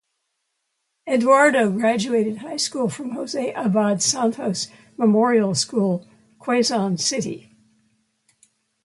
Eduardo graduated high school from Jose Abad Santos Memorial School, Quezon City.